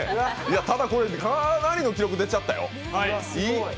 ただこれ、かなりの記録、出ちゃったよ。